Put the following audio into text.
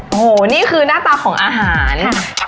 โอ้โหนี่คือหน้าตาของอาหาร